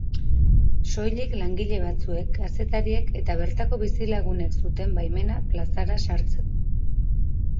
Soilik langile batzuek, kazetariek eta bertako bizilagunek zuten baimena plazara sartzeko.